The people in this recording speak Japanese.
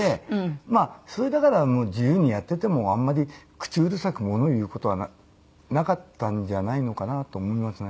まあそれだから自由にやっててもあんまり口うるさく物言う事はなかったんじゃないのかなと思いますね。